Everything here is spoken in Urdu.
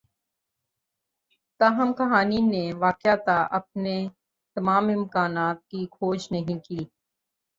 تاہم کہانی نے واقعتا اپنے تمام امکانات کی کھوج نہیں کی